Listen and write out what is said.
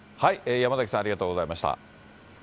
山崎さん、ありがとうございました。